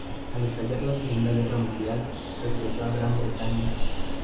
Al estallar la Segunda Guerra Mundial, regresó a Gran Bretaña.